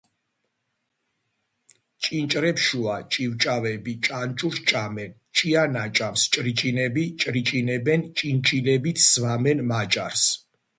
ჭინჭრებშუა ჭივჭავები ჭანჭურს ჭამენ, ჭიანაჭამს ჭრიჭინები ჭრიჭინებენ ჭინჭილებით სვამენ მაჭარს